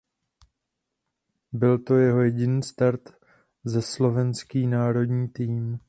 Byl to jeho jediný start za slovenský národní tým.